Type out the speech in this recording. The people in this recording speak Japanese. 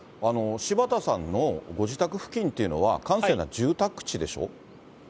柴田さんのご自宅付近っていうのは、閑静な住宅地でしょ？